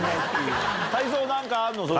泰造何かあんの？